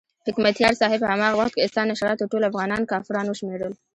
حکمتیار صاحب په هماغه وخت کې ستا نشراتو ټول افغانان کافران وشمېرل.